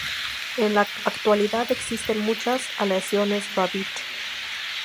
En la actualidad existen muchas aleaciones Babbitt.